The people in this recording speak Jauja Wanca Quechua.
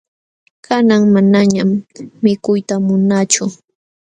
Kanan manañam mikuyta munaachu.